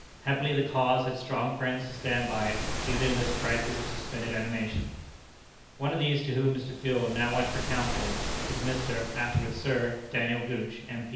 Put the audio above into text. Happily, the cause had strong friends to stand by it even in this crisis of suspended animation. One of these to whom Mr. Field now went for counsel, was Mr. (afterward Sir) Daniel Gooch, M.